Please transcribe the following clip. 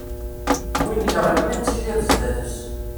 Win yeɣlin ad tiliḍ sdat-s.